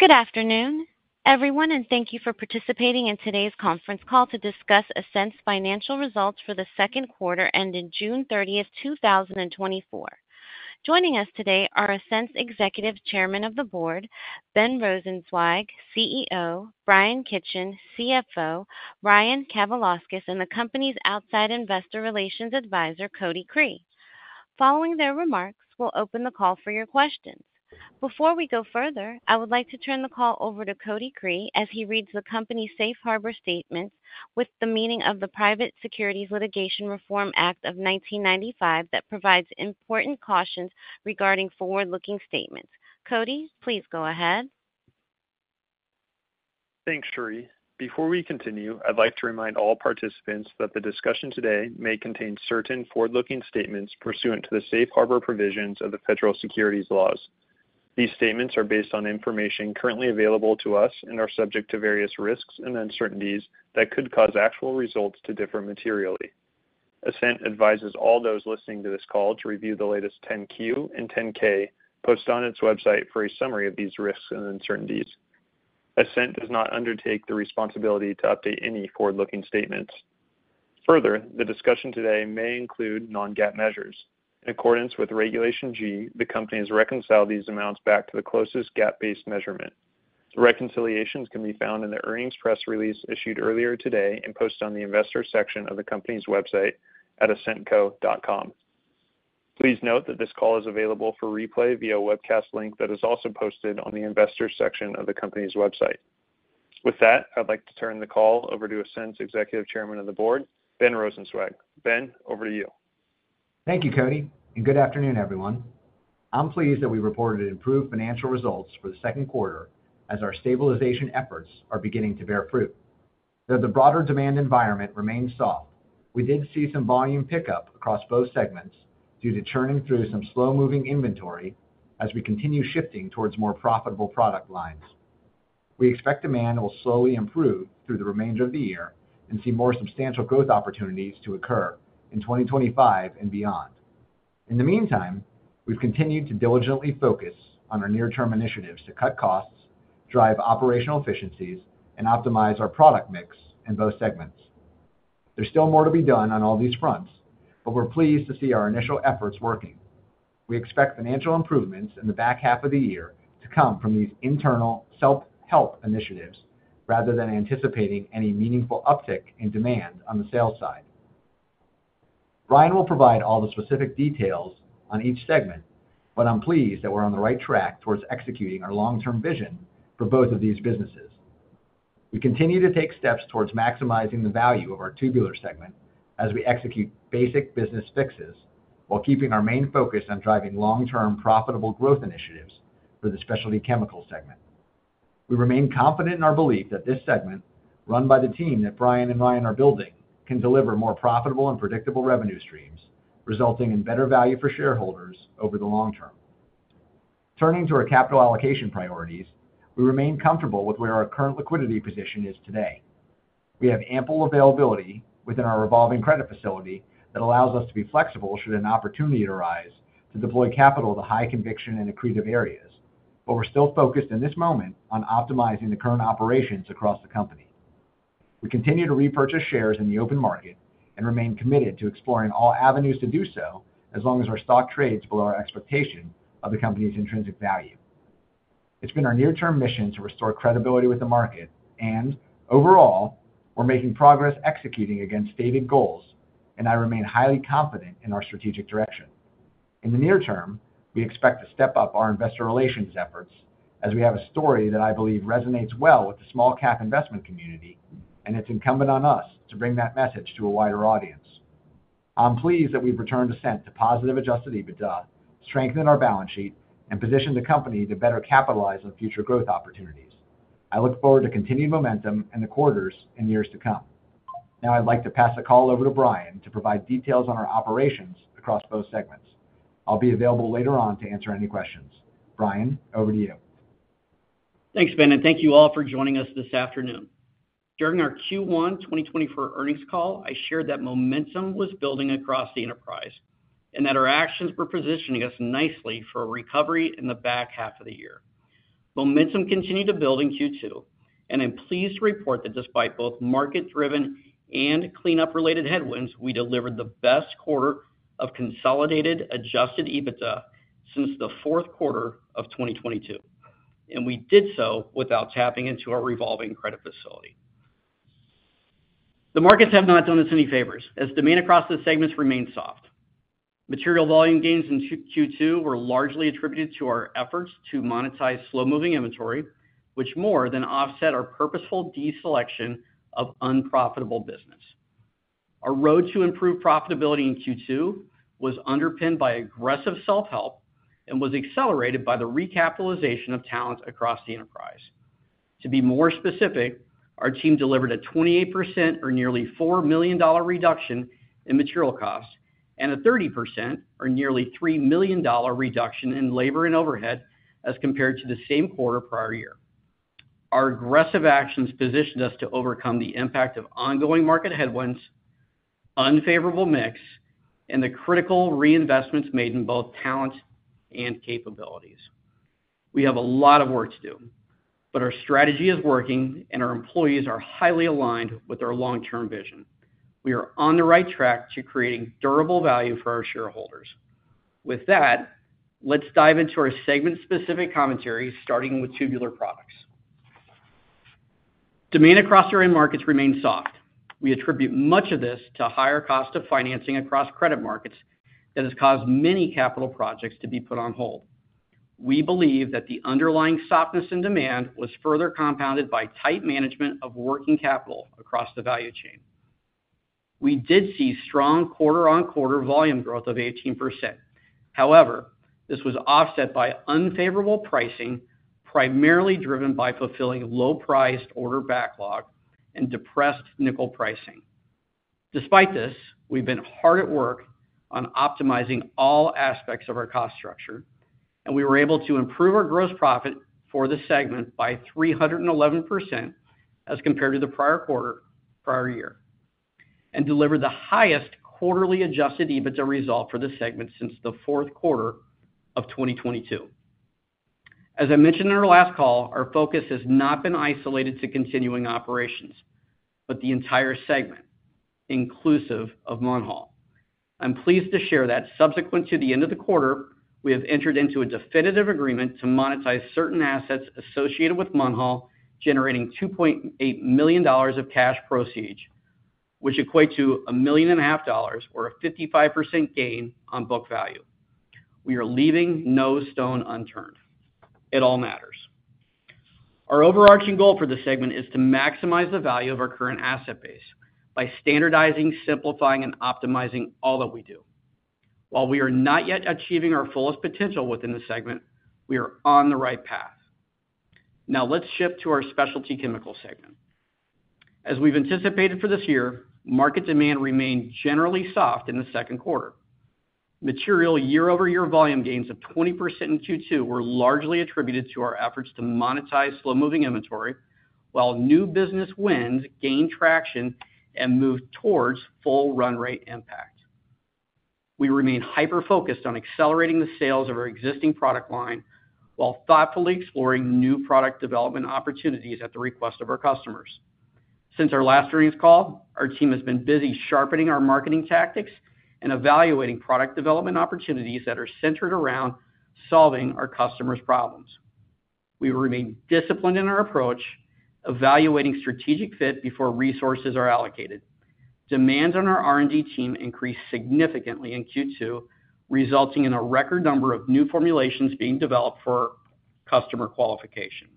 Good afternoon, everyone, and thank you for participating in today's conference call to discuss Ascent's financial results for the second quarter, ending June thirtieth, two thousand and twenty-four. Joining us today are Ascent's Executive Chairman of the Board, Ben Rosenzweig, CEO J. Bryan Kitchen, CFO Ryan Kavalauskas, and the company's outside investor relations advisor, Cody Cree. Following their remarks, we'll open the call for your questions. Before we go further, I would like to turn the call over to Cody Cree as he reads the company's safe harbor statement within the meaning of the Private Securities Litigation Reform Act of nineteen ninety-five, that provides important cautions regarding forward-looking statements. Cody, please go ahead. Thanks, Sheree. Before we continue, I'd like to remind all participants that the discussion today may contain certain forward-looking statements pursuant to the safe harbor provisions of the federal securities laws. These statements are based on information currently available to us and are subject to various risks and uncertainties that could cause actual results to differ materially. Ascent advises all those listening to this call to review the latest 10-Q and 10-K posted on its website for a summary of these risks and uncertainties. Ascent does not undertake the responsibility to update any forward-looking statements. Further, the discussion today may include non-GAAP measures. In accordance with Regulation G, the company has reconciled these amounts back to the closest GAAP-based measurement. The reconciliations can be found in the earnings press release issued earlier today and posted on the Investors section of the company's website at ascentco.com. Please note that this call is available for replay via webcast link that is also posted on the Investors section of the company's website. With that, I'd like to turn the call over to Ascent's Executive Chairman of the Board, Ben Rosenzweig. Ben, over to you. Thank you, Cody, and good afternoon, everyone. I'm pleased that we reported improved financial results for the second quarter, as our stabilization efforts are beginning to bear fruit. Though the broader demand environment remains soft, we did see some volume pickup across both segments due to churning through some slow-moving inventory as we continue shifting towards more profitable product lines. We expect demand will slowly improve through the remainder of the year and see more substantial growth opportunities to occur in 2025 and beyond. In the meantime, we've continued to diligently focus on our near-term initiatives to cut costs, drive operational efficiencies, and optimize our product mix in both segments. There's still more to be done on all these fronts, but we're pleased to see our initial efforts working. We expect financial improvements in the back half of the year to come from these internal self-help initiatives, rather than anticipating any meaningful uptick in demand on the sales side. Ryan will provide all the specific details on each segment, but I'm pleased that we're on the right track towards executing our long-term vision for both of these businesses. We continue to take steps towards maximizing the value of our Tubular segment as we execute basic business fixes while keeping our main focus on driving long-term, profitable growth initiatives for the Specialty Chemicals segment. We remain confident in our belief that this segment, run by the team that Bryan and Ryan are building, can deliver more profitable and predictable revenue streams, resulting in better value for shareholders over the long term. Turning to our capital allocation priorities, we remain comfortable with where our current liquidity position is today. We have ample availability within our Revolving Credit Facility that allows us to be flexible should an opportunity arise to deploy capital to high conviction and accretive areas. But we're still focused in this moment on optimizing the current operations across the company. We continue to repurchase shares in the open market and remain committed to exploring all avenues to do so, as long as our stock trades below our expectation of the company's intrinsic value. It's been our near-term mission to restore credibility with the market, and overall, we're making progress executing against stated goals, and I remain highly confident in our strategic direction. In the near term, we expect to step up our investor relations efforts as we have a story that I believe resonates well with the small cap investment community, and it's incumbent on us to bring that message to a wider audience. I'm pleased that we've returned Ascent to positive Adjusted EBITDA, strengthened our balance sheet, and positioned the company to better capitalize on future growth opportunities. I look forward to continued momentum in the quarters and years to come. Now, I'd like to pass the call over to Bryan to provide details on our operations across both segments. I'll be available later on to answer any questions. Bryan, over to you. Thanks, Ben, and thank you all for joining us this afternoon. During our Q1 2024 earnings call, I shared that momentum was building across the enterprise and that our actions were positioning us nicely for a recovery in the back half of the year. Momentum continued to build in Q2, and I'm pleased to report that despite both market-driven and cleanup-related headwinds, we delivered the best quarter of consolidated Adjusted EBITDA since the fourth quarter of 2022, and we did so without tapping into our Revolving Credit Facility. The markets have not done us any favors, as demand across the segments remains soft. Material volume gains in Q2 were largely attributed to our efforts to monetize slow-moving inventory, which more than offset our purposeful deselection of unprofitable business. Our road to improved profitability in Q2 was underpinned by aggressive self-help and was accelerated by the recapitalization of talent across the enterprise. To be more specific, our team delivered a 28%, or nearly $4 million reduction in material costs, and a 30%, or nearly $3 million reduction in labor and overhead as compared to the same quarter prior year. Our aggressive actions positioned us to overcome the impact of ongoing market headwinds, unfavorable mix, and the critical reinvestments made in both talent and capabilities. We have a lot of work to do, but our strategy is working, and our employees are highly aligned with our long-term vision. We are on the right track to creating durable value for our shareholders. With that, let's dive into our segment-specific commentary, starting with Tubular Products. Demand across our end markets remains soft. We attribute much of this to higher cost of financing across credit markets that has caused many capital projects to be put on hold. We believe that the underlying softness in demand was further compounded by tight management of working capital across the value chain. We did see strong quarter-on-quarter volume growth of 18%. However, this was offset by unfavorable pricing, primarily driven by fulfilling low-priced order backlog and depressed nickel pricing. Despite this, we've been hard at work on optimizing all aspects of our cost structure, and we were able to improve our gross profit for the segment by 311% as compared to the prior quarter, prior year, and delivered the highest quarterly Adjusted EBITDA result for the segment since the fourth quarter of 2022. As I mentioned in our last call, our focus has not been isolated to continuing operations, but the entire segment, inclusive of Munhall. I'm pleased to share that subsequent to the end of the quarter, we have entered into a definitive agreement to monetize certain assets associated with Munhall, generating $2.8 million of cash proceeds, which equate to $1.5 million, or a 55% gain on book value. We are leaving no stone unturned. It all matters. Our overarching goal for this segment is to maximize the value of our current asset base by standardizing, simplifying, and optimizing all that we do. While we are not yet achieving our fullest potential within the segment, we are on the right path. Now, let's shift to our Specialty Chemical segment. As we've anticipated for this year, market demand remained generally soft in the second quarter. Material year-over-year volume gains of 20% in Q2 were largely attributed to our efforts to monetize slow-moving inventory, while new business wins gained traction and moved towards full run rate impact. We remain hyper-focused on accelerating the sales of our existing product line, while thoughtfully exploring new product development opportunities at the request of our customers. Since our last earnings call, our team has been busy sharpening our marketing tactics and evaluating product development opportunities that are centered around solving our customers' problems. We remain disciplined in our approach, evaluating strategic fit before resources are allocated. Demand on our R&D team increased significantly in Q2, resulting in a record number of new formulations being developed for customer qualification.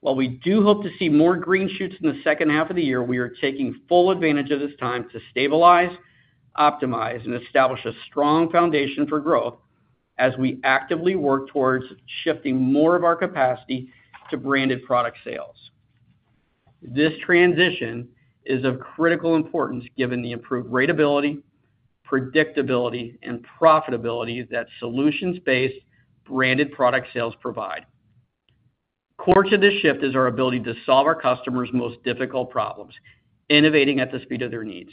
While we do hope to see more green shoots in the second half of the year, we are taking full advantage of this time to stabilize, optimize, and establish a strong foundation for growth as we actively work towards shifting more of our capacity to branded product sales. This transition is of critical importance, given the improved ratability, predictability, and profitability that solutions-based branded product sales provide. Core to this shift is our ability to solve our customers' most difficult problems, innovating at the speed of their needs.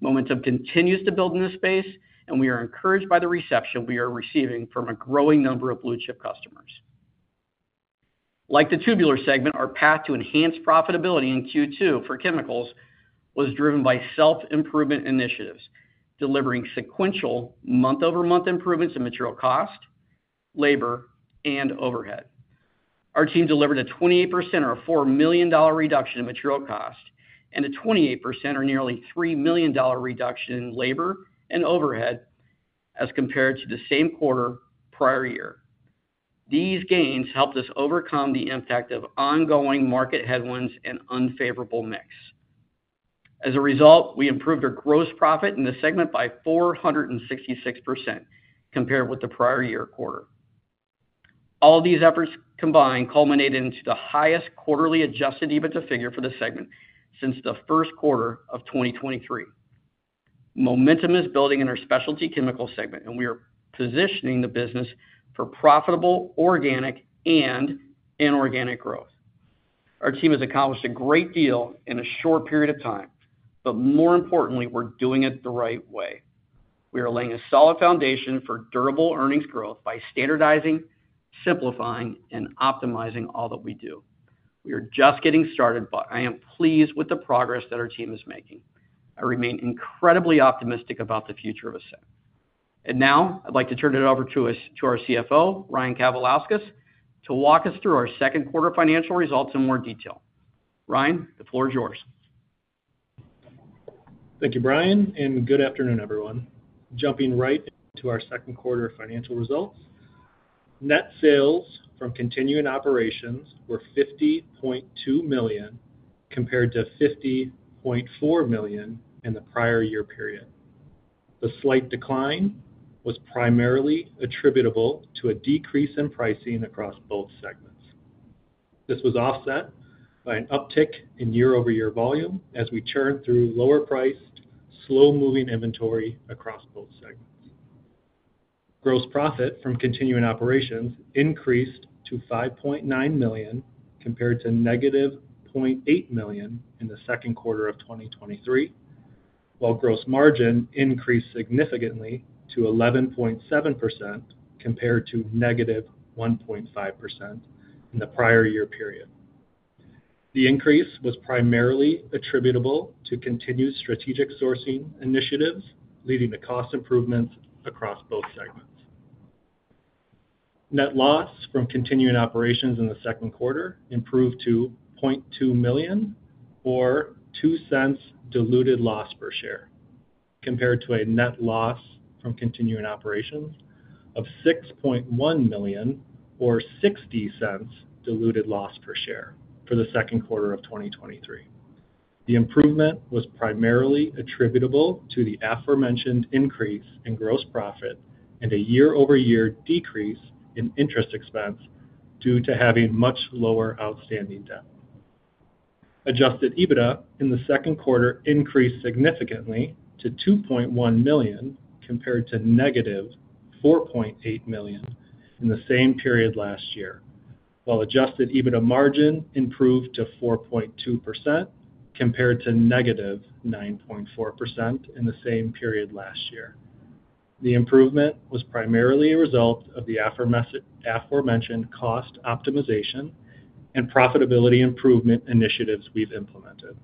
Momentum continues to build in this space, and we are encouraged by the reception we are receiving from a growing number of blue-chip customers. Like the tubular segment, our path to enhanced profitability in Q2 for chemicals was driven by self-improvement initiatives, delivering sequential month-over-month improvements in material cost, labor, and overhead. Our team delivered a 28%, or a $4 million reduction in material cost, and a 28%, or nearly $3 million reduction in labor and overhead as compared to the same quarter prior year. These gains helped us overcome the impact of ongoing market headwinds and unfavorable mix. As a result, we improved our gross profit in the segment by 466% compared with the prior year quarter. All these efforts combined culminated into the highest quarterly adjusted EBITDA figure for the segment since the first quarter of 2023. Momentum is building in our specialty chemical segment, and we are positioning the business for profitable, organic, and inorganic growth. Our team has accomplished a great deal in a short period of time, but more importantly, we're doing it the right way. We are laying a solid foundation for durable earnings growth by standardizing, simplifying, and optimizing all that we do. We are just getting started, but I am pleased with the progress that our team is making. I remain incredibly optimistic about the future of Ascent. Now I'd like to turn it over to us - to our CFO, Ryan Kavalauskas, to walk us through our second quarter financial results in more detail. Ryan, the floor is yours. Thank you, Bryan, and good afternoon, everyone. Jumping right to our second quarter financial results, net sales from continuing operations were $50.2 million, compared to $50.4 million in the prior year period. The slight decline was primarily attributable to a decrease in pricing across both segments. This was offset by an uptick in year-over-year volume as we churned through lower-priced, slow-moving inventory across both segments.... Gross profit from continuing operations increased to $5.9 million compared to -$0.8 million in the second quarter of 2023, while gross margin increased significantly to 11.7% compared to -1.5% in the prior year period. The increase was primarily attributable to continued strategic sourcing initiatives, leading to cost improvements across both segments. Net loss from continuing operations in the second quarter improved to $0.2 million, or $0.02 diluted loss per share, compared to a net loss from continuing operations of $6.1 million, or $0.60 diluted loss per share for the second quarter of 2023. The improvement was primarily attributable to the aforementioned increase in gross profit and a year-over-year decrease in interest expense due to having much lower outstanding debt. Adjusted EBITDA in the second quarter increased significantly to $2.1 million compared to -$4.8 million in the same period last year, while adjusted EBITDA margin improved to 4.2% compared to -9.4% in the same period last year. The improvement was primarily a result of the aforementioned, aforementioned cost optimization and profitability improvement initiatives we've implemented.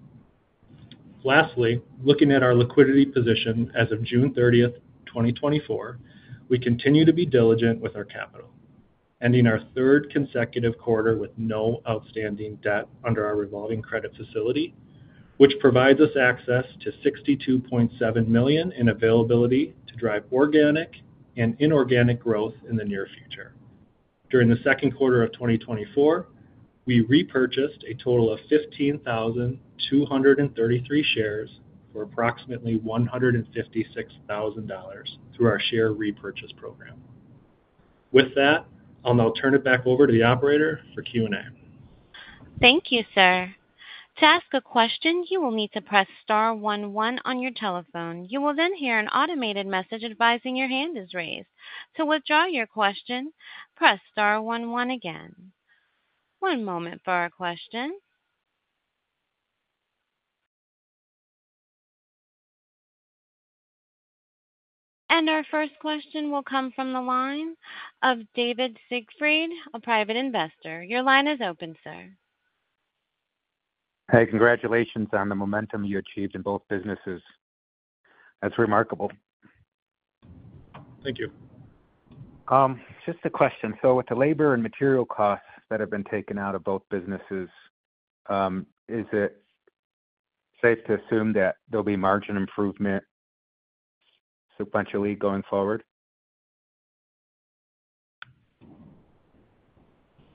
Lastly, looking at our liquidity position as of June 30, 2024, we continue to be diligent with our capital, ending our third consecutive quarter with no outstanding debt under our revolving credit facility, which provides us access to $62.7 million in availability to drive organic and inorganic growth in the near future. During the second quarter of 2024, we repurchased a total of 15,233 shares for approximately $156,000 through our share repurchase program. With that, I'll now turn it back over to the operator for Q&A. Thank you, sir. To ask a question, you will need to press star one one on your telephone. You will then hear an automated message advising your hand is raised. To withdraw your question, press star one one again. One moment for our question. Our first question will come from the line of David Siegfried, a private investor. Your line is open, sir. Hey, congratulations on the momentum you achieved in both businesses. That's remarkable. Thank you. Just a question. So with the labor and material costs that have been taken out of both businesses, is it safe to assume that there'll be margin improvement sequentially going forward?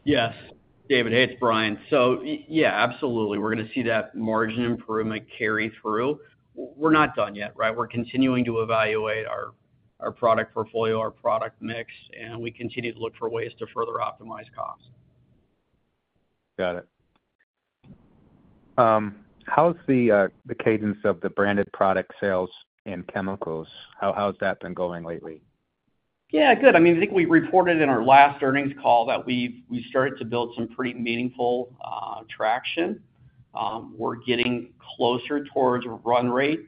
Yes, David, hey, it's Brian. So yeah, absolutely. We're gonna see that margin improvement carry through. We're not done yet, right? We're continuing to evaluate our product portfolio, our product mix, and we continue to look for ways to further optimize costs. Got it. How's the cadence of the branded product sales in chemicals? How's that been going lately? Yeah, good. I mean, I think we reported in our last earnings call that we've started to build some pretty meaningful traction. We're getting closer towards run rate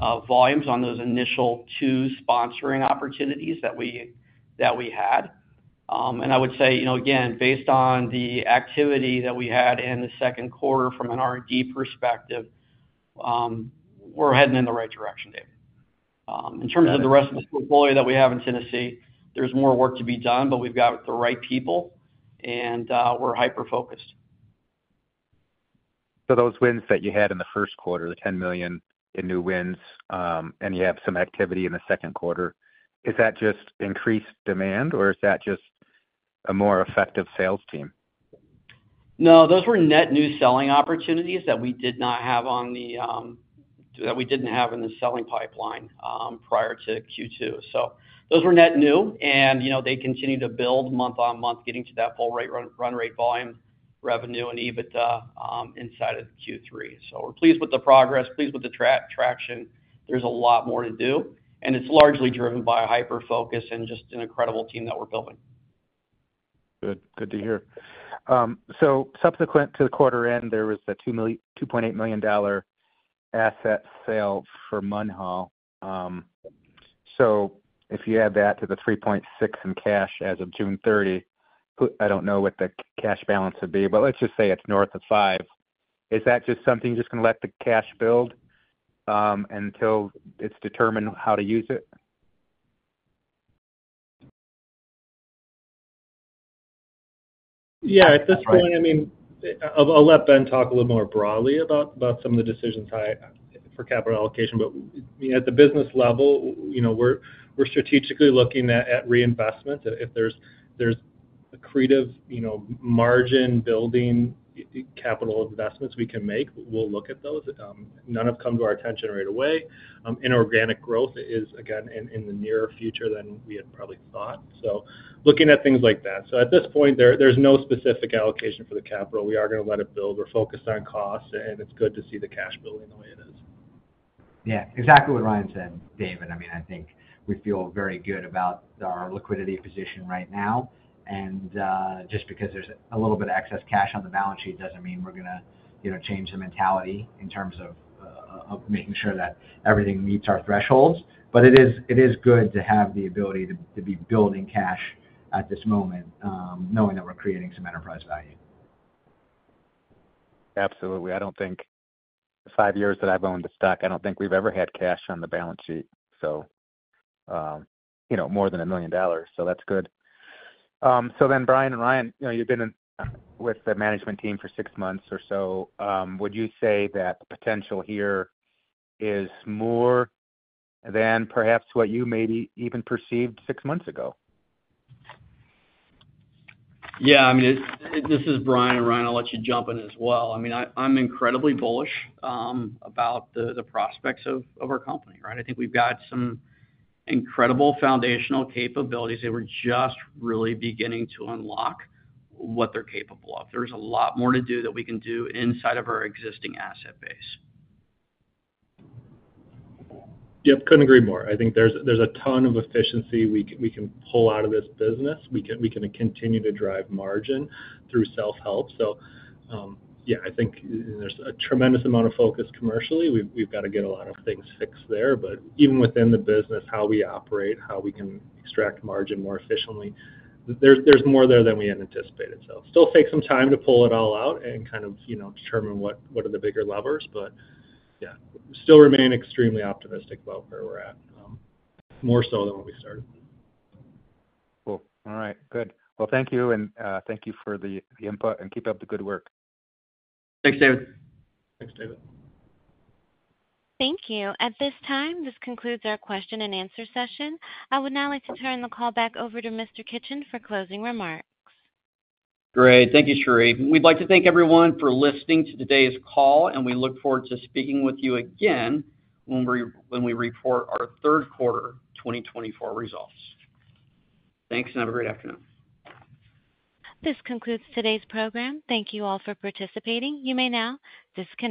volumes on those initial two sponsoring opportunities that we had. And I would say, you know, again, based on the activity that we had in the second quarter from an R&D perspective, we're heading in the right direction, David. In terms of the rest of the portfolio that we have in Tennessee, there's more work to be done, but we've got the right people, and we're hyper-focused. So those wins that you had in the first quarter, the $10 million in new wins, and you have some activity in the second quarter, is that just increased demand or is that just a more effective sales team? No, those were net new selling opportunities that we did not have that we didn't have in the selling pipeline, prior to Q2. So those were net new, and, you know, they continue to build month-on-month, getting to that full rate, run rate, volume, revenue, and EBITDA, inside of Q3. So we're pleased with the progress, pleased with the traction. There's a lot more to do, and it's largely driven by a hyper-focus and just an incredible team that we're building. Good. Good to hear. So subsequent to the quarter end, there was a $2.8 million asset sale for Munhall. So if you add that to the $3.6 million in cash as of June 30, I don't know what the cash balance would be, but let's just say it's north of $5 million. Is that just something, just gonna let the cash build, until it's determined how to use it? Yeah, at this point, I mean, I'll let Ben talk a little more broadly about some of the decisions for capital allocation. But, you know, at the business level, you know, we're strategically looking at reinvestment. If there's accretive, you know, margin-building capital investments we can make, we'll look at those. None have come to our attention right away. Inorganic growth is, again, in the nearer future than we had probably thought. So looking at things like that. So at this point, there's no specific allocation for the capital. We are gonna let it build. We're focused on costs, and it's good to see the cash building the way it is.... Yeah, exactly what Ryan said, David. I mean, I think we feel very good about our liquidity position right now, and just because there's a little bit of excess cash on the balance sheet doesn't mean we're gonna, you know, change the mentality in terms of making sure that everything meets our thresholds. But it is, it is good to have the ability to, to be building cash at this moment, knowing that we're creating some enterprise value. Absolutely. I don't think the five years that I've owned the stock, I don't think we've ever had cash on the balance sheet, so, you know, more than $1 million, so that's good. So then, Bryan and Ryan, you know, you've been in with the management team for six months or so. Would you say that the potential here is more than perhaps what you maybe even perceived six months ago? Yeah, I mean, this is Brian. Ryan, I'll let you jump in as well. I mean, I'm incredibly bullish about the prospects of our company, right? I think we've got some incredible foundational capabilities that we're just really beginning to unlock what they're capable of. There's a lot more to do that we can do inside of our existing asset base. Yep, couldn't agree more. I think there's a ton of efficiency we can pull out of this business. We can continue to drive margin through self-help. So, yeah, I think there's a tremendous amount of focus commercially. We've got to get a lot of things fixed there. But even within the business, how we operate, how we can extract margin more efficiently, there's more there than we had anticipated. So it'll still take some time to pull it all out and kind of, you know, determine what are the bigger levers. But yeah, still remain extremely optimistic about where we're at, more so than when we started. Cool. All right, good. Well, thank you, and thank you for the input, and keep up the good work. Thanks, David. Thanks, David. Thank you. At this time, this concludes our question and answer session. I would now like to turn the call back over to Mr. Kitchen for closing remarks. Great. Thank you, Sheree. We'd like to thank everyone for listening to today's call, and we look forward to speaking with you again when we, when we report our third quarter 2024 results. Thanks, and have a great afternoon. This concludes today's program. Thank you all for participating. You may now disconnect.